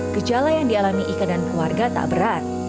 gejala yang dialami ika dan keluarga tak berat